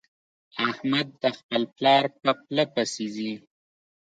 احمد د خپل پلار په پله پسې ځي.